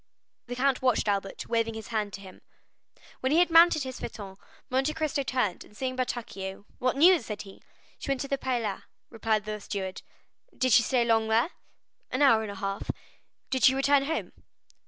The Count watched Albert, waving his hand to him. When he had mounted his phaeton, Monte Cristo turned, and seeing Bertuccio, "What news?" said he. "She went to the Palais," replied the steward. "Did she stay long there?" "An hour and a half." "Did she return home?"